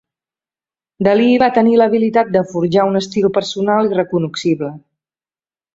Dalí va tenir l'habilitat de forjar un estil personal i recognoscible.